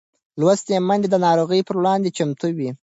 لوستې میندې د ناروغۍ پر وړاندې چمتو وي.